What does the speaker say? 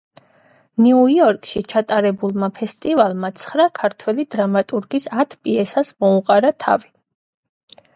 ნიუ-იორკში ჩატარებულმა ფესტივალმა ცხრა ქართველი დრამატურგის ათ პიესას მოუყარა თავი.